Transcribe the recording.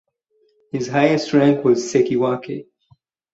His highest rank was "sekiwake".